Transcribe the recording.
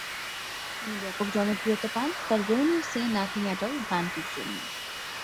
তিনি ব্যাপক জনপ্রিয়তা পান তার ""when you say nothing at all"" গানটির জন্য।